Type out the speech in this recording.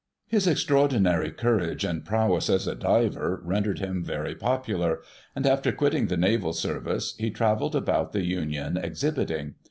His extraordinary courage and prowess cis a diver rendered him very popular, and, after quitting the naval service, he travelled about the Union exhibiting.